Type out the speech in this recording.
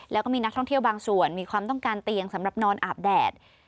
แล้วก็มีนักท่องเที่ยวบางส่วนมีความต้องการเตียงสำหรับนอนอาบแดด